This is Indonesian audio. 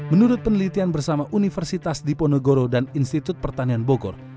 menurut penelitian bersama universitas diponegoro dan institut pertanian bogor